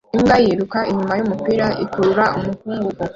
Imbwa yiruka inyuma yumupira ikurura umukungugu